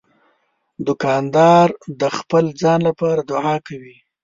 دوکاندار د خپل ځان لپاره دعا کوي.